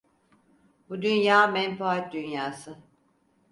Bu dünya menfaat dünyası.